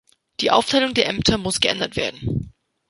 Die Aufteilung der Ämter muss geändert werden.